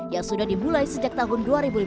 yang sudah dimulai sejak tahun dua ribu lima belas